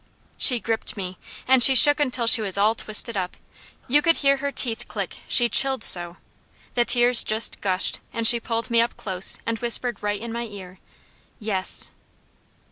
She gripped me, and she shook until she was all twisted up; you could hear her teeth click, she chilled so. The tears just gushed, and she pulled me up close and whispered right in my ear: "Yes!"